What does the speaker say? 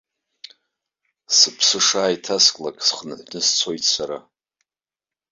Сыԥсы шааиҭасклак, схынҳәны сцоит сара.